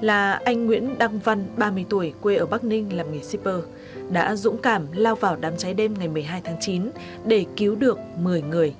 là anh nguyễn đăng văn ba mươi tuổi quê ở bắc ninh làm nghề shipper đã dũng cảm lao vào đám cháy đêm ngày một mươi hai tháng chín để cứu được một mươi người